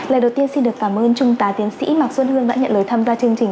lời đầu tiên xin được cảm ơn trung tá tiến sĩ mạc xuân hương đã nhận lời tham gia chương trình